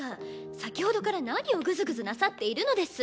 先ほどから何をグズグズなさっているのです？